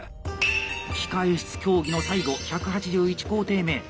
「控え室競技」の最後１８１工程目角隠し。